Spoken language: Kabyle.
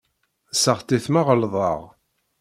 Seɣtit ma ɣelḍeɣ.